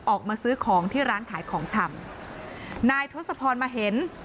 ออกมาซื้อของที่ร้านขายของชำนายทศพรมาเห็น